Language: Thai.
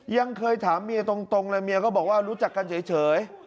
ยังเคยถามเมียตรงเลยเมียก็บอกว่ารู้จักกันเฉย